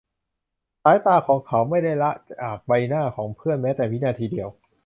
สายตาของเขาไม่ได้ละจากใบหน้าของเพื่อนแม้แต่วินาทีเดียว